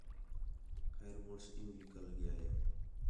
خیر مُڑس عیوں نِکل ڳِیا ہِے